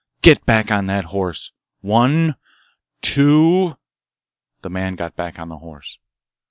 Get back on that horse! One—two—" The man got back on the horse.